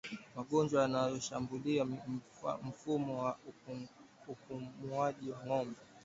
Magonjwa yanayoshambulia mfumo wa upumuaji wa ngombe